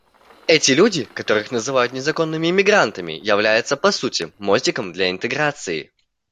Эти люди, которых называют незаконными иммигрантами, являются, по сути, мостиком для интеграции.